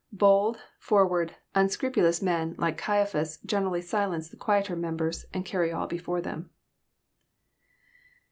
Bold, forward, unscrupulous men, like Caiaphas, generally silence the quieter members, and carry all before them.